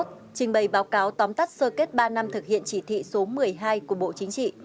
trình bày báo cáo tóm tắt sơ kết ba năm thực hiện chỉ thị số một mươi hai của bộ chính trị